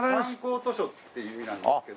図書っていう意味なんですけど。